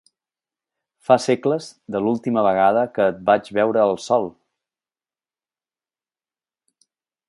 Fa segles de l'última vegada que et vaig veure al sol!